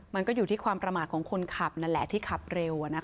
มันก็อยู่ที่ความประมาทของคนขับแถมแต่ขับเร็ว